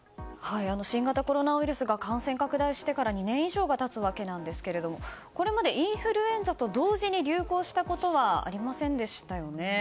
新型コロナウイルスが感染拡大してから２年以上が経つわけですがこれまでインフルエンザと同時に流行したことはありませんでしたよね。